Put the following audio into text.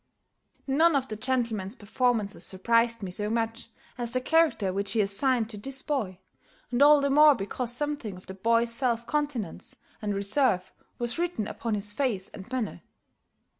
None of the gentleman's performances surprised me so much as the character which he assigned to this boy, and all the more because something of the boy's self continence and reserve was written upon his face and manner.